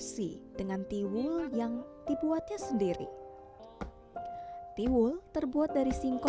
cinta itu juga tentu berbalas dari mereka